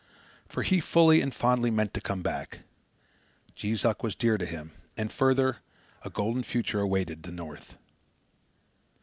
For he fully and fondly meant to come back. Jees Uck was dear to him, and, further, a golden future awaited the north.